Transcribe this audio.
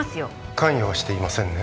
関与はしていませんね